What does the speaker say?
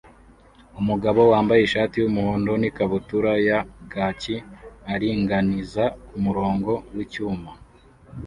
Umugabo wambaye ishati yumuhondo nikabutura ya khaki aringaniza kumurongo wicyuma